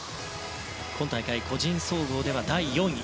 今大会、個人総合では第４位。